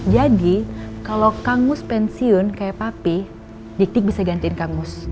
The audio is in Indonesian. jadi kalau kang mus pensiun kayak papi dik dik bisa gantiin kang mus